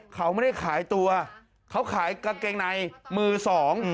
เขาไม่ได้ขายตัวเขาขายกางเกงในมือสอง